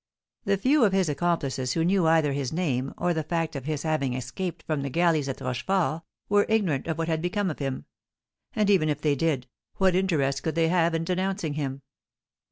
The few of his accomplices who knew either his name, or the fact of his having escaped from the galleys at Rochefort, were ignorant of what had become of him; and even if they did, what interest could they have in denouncing him?